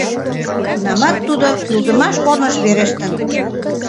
Тунамат тудо кӱлдымаш корныш верештын.